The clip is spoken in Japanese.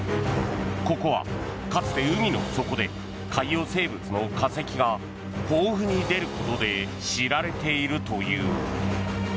ここは、かつて海の底で海洋生物の化石が豊富に出ることで知られているという。